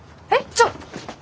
ちょっ！